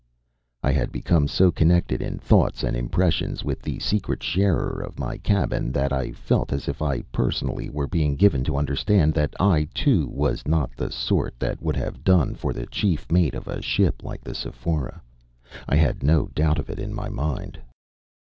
I had become so connected in thoughts and impressions with the secret sharer of my cabin that I felt as if I, personally, were being given to understand that I, too, was not the sort that would have done for the chief mate of a ship like the Sephora. I had no doubt of it in my mind.